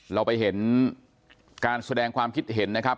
เราไปเห็นการแสดงความคิดเห็นนะครับ